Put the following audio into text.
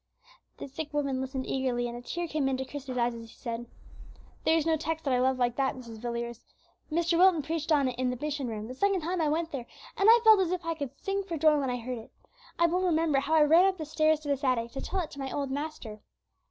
The sick woman listened eagerly, and a tear came into Christie's eye as he said: "There is no text that I love like that, Mrs. Villiers. Mr. Wilton preached on it in the mission room the second time I went there, and I felt as if I could sing for joy when I heard it; I well remember how I ran up the stairs to this attic, to tell it to my old master."